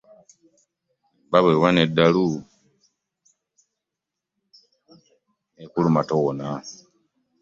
Embwa bw'eba ndalu n'ekuluma towona.